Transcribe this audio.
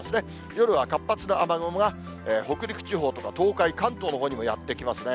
夜は活発な雨雲が、北陸地方とか東海、関東のほうにもやって来ますね。